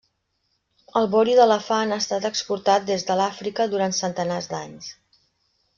El vori d'elefant ha estat exportat des de l'Àfrica durant centenars d'anys.